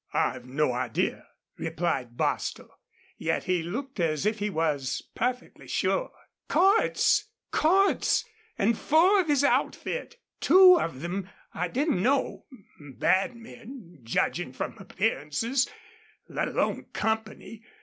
"I've no idea," replied Bostil. Yet he looked as if he was perfectly sure. "Cordts! ... Cordts, an' four of his outfit. Two of them I didn't know. Bad men, judgin' from appearances, let alone company.